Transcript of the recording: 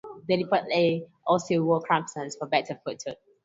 They reportedly also wore crampons for better foothold.